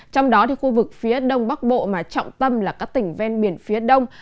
trong đó khu vực phía đông bắc bộ mà trọng tâm là các tỉnh ven biển phía đông